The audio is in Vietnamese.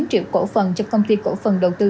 bốn triệu cổ phần cho công ty cổ phần đầu tư